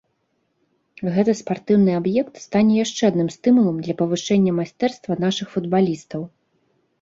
Гэты спартыўны аб'ект стане яшчэ адным стымулам для павышэння майстэрства нашых футбалістаў.